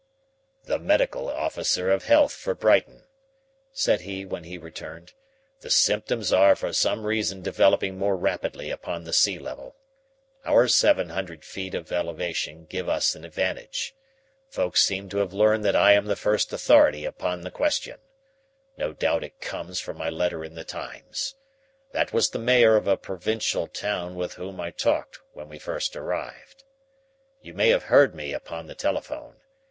"The medical officer of health for Brighton," said he when he returned. "The symptoms are for some reason developing more rapidly upon the sea level. Our seven hundred feet of elevation give us an advantage. Folk seem to have learned that I am the first authority upon the question. No doubt it comes from my letter in the Times. That was the mayor of a provincial town with whom I talked when we first arrived. You may have heard me upon the telephone.